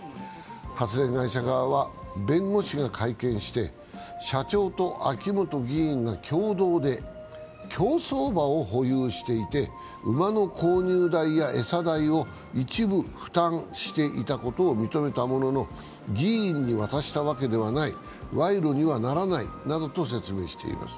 発電会社側は、弁護士が会見して社長と秋本議員が共同で競走馬を保有していて馬の購入代や餌代を一部負担していたことを認めたものの議員に渡したわけではない賄賂にはならないなどと説明しています。